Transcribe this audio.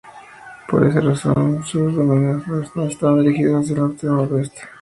Por esa razón, sus dos bastiones estaban dirigidos hacia el Norte y Nordeste.